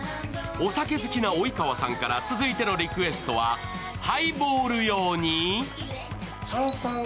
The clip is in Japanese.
お酒好きな及川さんから続いてのリクエストは、ハイボール用に。